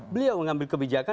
beliau yang mengambil kebijakan